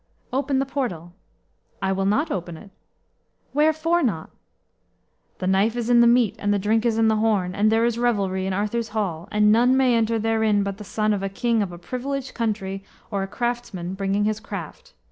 "Open the portal." "I will not open it." "Wherefore not?" "The knife is in the meat, and the drink is in the horn, and there is revelry in Arthur's hall; and none may enter therein but the son of a king of a privileged country, or a craftsman bringing his craft.